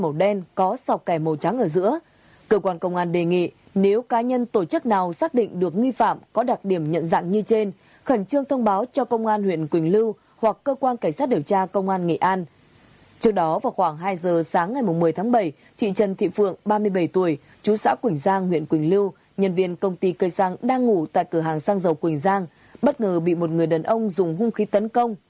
trần thị phượng ba mươi bảy tuổi chú xã quỳnh giang huyện quỳnh lưu nhân viên công ty cây xăng đang ngủ tại cửa hàng xăng dầu quỳnh giang bất ngờ bị một người đàn ông dùng hung khí tấn công